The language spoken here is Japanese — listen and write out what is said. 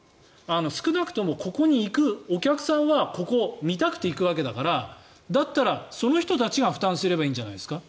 少なくともここに行くお客さんはここを見たくて行くわけだからだったらその人たちが負担すればいいんじゃないですか？